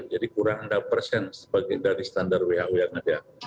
jadi kurang dari standar who yang ada